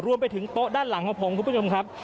รวมไปถึงโต๊ะด้านหลังของผมคุณผู้ชมครับ